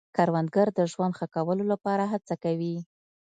کروندګر د ژوند ښه کولو لپاره هڅه کوي